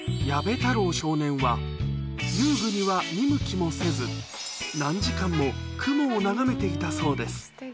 太郎少年は、遊具には見向きもせず、何時間も雲を眺めていたそうです。